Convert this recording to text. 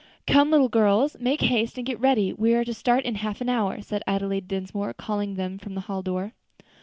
"Come, little girls, make haste and get ready; we are to start in half an hour," said Adelaide Dinsmore, calling to them from the hall door.